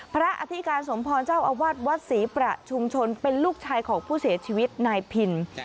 อธิการสมพรเจ้าอาวาสวัดศรีประชุมชนเป็นลูกชายของผู้เสียชีวิตนายพิน